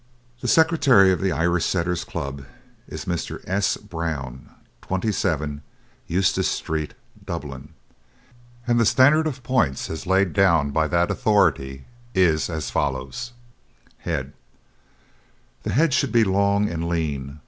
The Secretary of the Irish Setter Club is Mr. S. Brown, 27, Eustace Street, Dublin, and the standard of points as laid down by that authority is as follows: HEAD The head should be long and lean.